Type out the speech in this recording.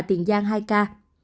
tiền giang hai ca